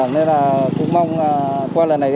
nên là cũng mong qua lần này